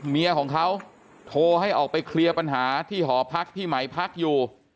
เมียของเขาโทรให้ออกไปเคลียร์ปัญหาที่หอพักที่ไหมพักอยู่